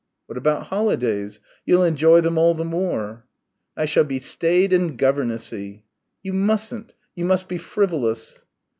"What about holidays? You'll enjoy them all the more." "I shall be staid and governessy." "You mustn't. You must be frivolous."